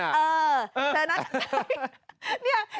เออเจอหน้าของใคร